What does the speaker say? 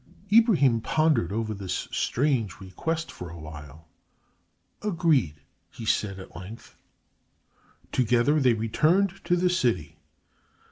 Ibrahim pondered over this strange request for a while. "Agreed!" he said, at length. Together they returned to the city.